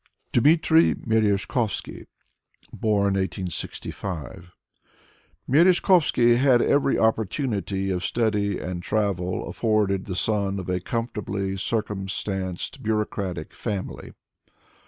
%^ f Dmitry Merezhkovsky (Born 1865) r i ^'» Merezhkovsky had every opportunity of study and travel afforded the son of a comfortably circumstanced, bureaucratic family.